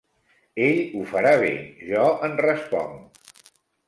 Ell ho farà bé: jo en responc.